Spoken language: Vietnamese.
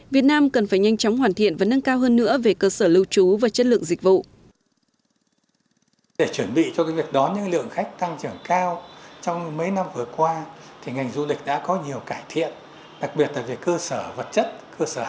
việt nam cần phải nhanh chóng hoàn thiện và nâng cao hơn nữa về cơ sở lưu trú và chất lượng dịch vụ